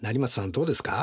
どうですか？